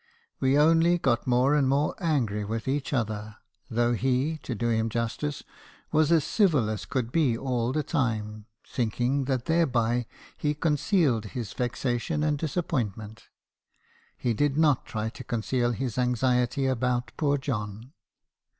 We only got more and more angry with each other; though he, to do him justice, was as civil as could be all the time, thinking that thereby he concealed his vexation and disappointment. He did not try to conceal his anxiety about poor John.